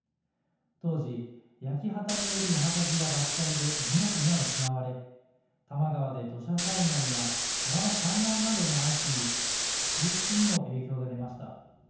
当時、焼き畑による山火事や伐採で樹木が失われ多摩川で土砂災害や川の氾濫などが相次ぎ水質にも影響が出ました。